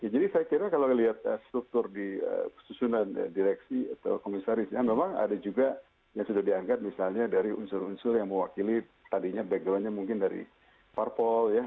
jadi saya kira kalau kita lihat struktur di susunan direksi atau komisaris memang ada juga yang sudah dianggap misalnya dari unsur unsur yang mewakili tadinya backgroundnya mungkin dari farpol ya